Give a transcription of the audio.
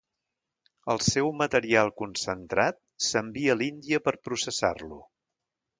El seu material concentrat s'envia a l'Índia per processar-lo.